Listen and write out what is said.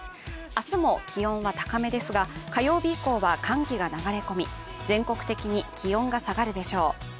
明日も気温は高めですが、火曜日以降は寒気が流れ込み全国的に気温が下がるでしょう。